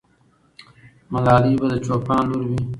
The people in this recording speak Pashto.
ملالۍ به د چوپان لور وي.